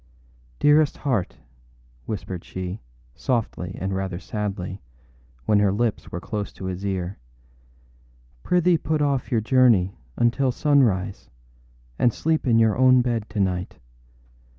âDearest heart,â whispered she, softly and rather sadly, when her lips were close to his ear, âprithee put off your journey until sunrise and sleep in your own bed to night.